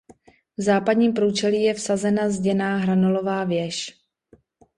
V západním průčelí je vsazena zděná hranolová věž.